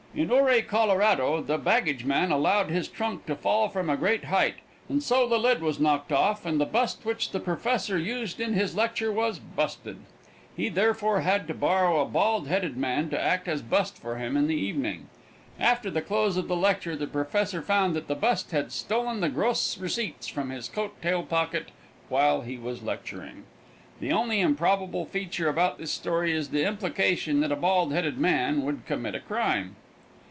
In Ouray, Colorado, the baggageman allowed his trunk to fall from a great height, and so the lid was knocked off and the bust which the professor used in his lecture was busted. He therefore had to borrow a bald headed man to act as bust for him in the evening. After the close of the lecture the professor found that the bust had stolen the gross receipts from his coat tail pocket while he was lecturing. The only improbable feature about this story is the implication that a bald headed man would commit a crime.